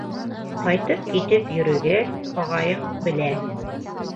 Ҡайтып-китеп йөрөгәс, ағайың белә.